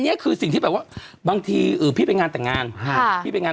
แอ้นี่คือสิ่งที่แบบว่าบางทีพี่ไปงานแต่งงาน